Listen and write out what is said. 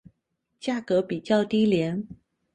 价格比较低廉。